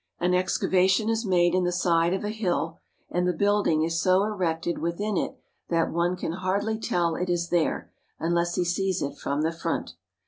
An excavation is made in the side of a hill, and the building is so erected within it that one can hardly tell it is there unless he sees it from the front.